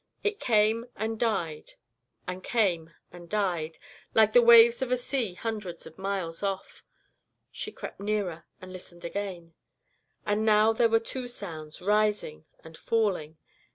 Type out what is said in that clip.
It came and died, and came and died, like the waves of a sea hundreds of miles off. She crept nearer and listened again, and now there were two sounds, rising and falling.